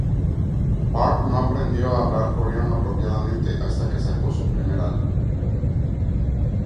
Park no aprendió a hablar coreano apropiadamente hasta que sacó su primer álbum.